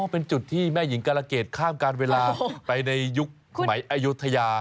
เป็นจุดที่แม่หญิงกรเกตข้ามการเวลาไปในยุคสมัยอายุทยา